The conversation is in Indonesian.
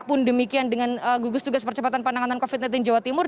pun demikian dengan gugus tugas percepatan penanganan covid sembilan belas jawa timur